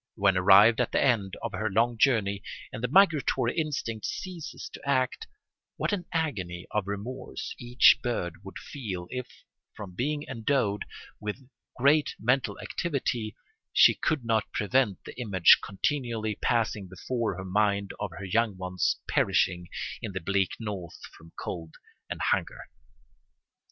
When arrived at the end of her long journey, and the migratory instinct ceases to act, what an agony of remorse each bird would feel if, from being endowed with great mental activity, she could not prevent the image continually passing before her mind of her young ones perishing in the bleak north from cold and hunger."